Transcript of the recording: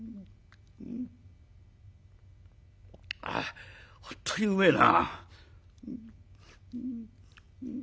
「あ本当にうめえな」。